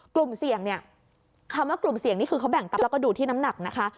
กลุ่มเสี่ยงเนี่ยคำว่ากลุ่มเสี่ยงนี่คือเขาแบ่งปั๊บแล้วก็ดูที่น้ำหนักนะคะ